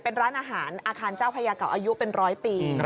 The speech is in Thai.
เป็นร้านอาหารอาคารเจ้าพญาเก่าอายุเป็นร้อยปี